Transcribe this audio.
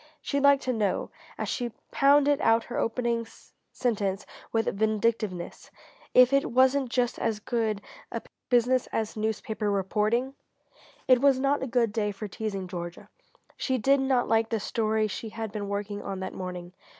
She'd like to know as she pounded out her opening sentence with vindictiveness if it wasn't just as good a business as newspaper reporting? It was not a good day for teasing Georgia. She did not like the story she had been working on that morning.